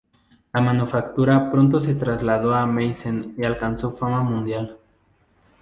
La manufactura pronto se trasladó a Meissen y alcanzó fama mundial.